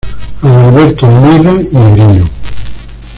Adalberto Almeida y Merino.